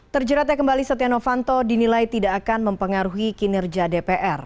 terjeratnya kembali setia novanto dinilai tidak akan mempengaruhi kinerja dpr